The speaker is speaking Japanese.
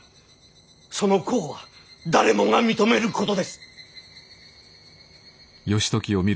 その功は誰もが認めることです。